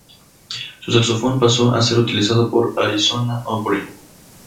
Su saxofón pasó a ser utilizado por Arizona Opry.